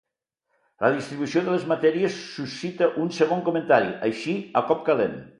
La distribució de les matèries suscita un segon comentari, així a cop calent.